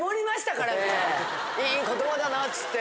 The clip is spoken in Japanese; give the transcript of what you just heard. いい言葉だなっつって。